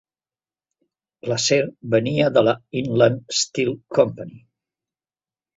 L'acer venia de la Inland Steel Company.